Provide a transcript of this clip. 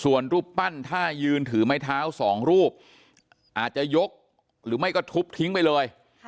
ส่วนรูปปั้นถ้ายืนถือไม้เท้าสองรูปอาจจะยกหรือไม่ก็ทุบทิ้งไปเลย